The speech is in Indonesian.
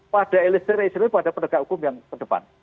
pada elisirnya isteri pada penegak hukum yang kedepan